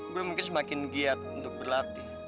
gue mungkin semakin giat untuk berlatih